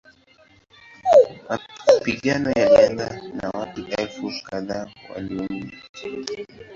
Mapigano yalianza na watu elfu kadhaa waliuawa.